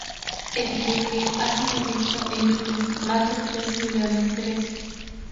El videoclip ha sido visto en YouTube más de tres millones de veces.